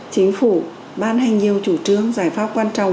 tối đầu bạc ở trên bãi trống